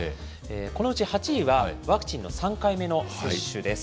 このうち８位は、ワクチンの３回目の接種です。